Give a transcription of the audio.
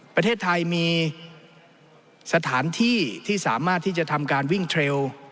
ประเทศไทยมีสถานที่ที่สามารถที่จะทำการวิ่งเทรล